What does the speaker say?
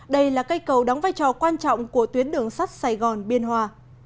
đây là cây cầu đóng vai trò quan trọng của tuyến đường sắt sài gòn biên hòa